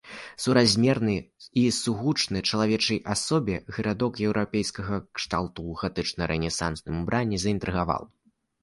Суразмерны і сугучны чалавечай асобе гарадок еўрапейскага кшталту ў гатычна-рэнесансным убранні заінтрыгаваў.